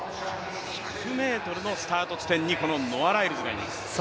１００ｍのスタート地点にこのノア・ライルズがいます。